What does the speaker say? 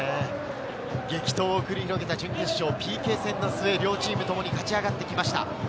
激闘を繰り広げた準決勝、ＰＫ戦の末、両チームともに勝ち上がってきました。